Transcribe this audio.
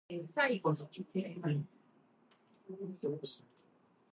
The big questions were how large and what kind of forces.